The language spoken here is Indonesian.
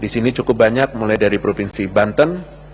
di sini cukup banyak mulai dari provinsi banten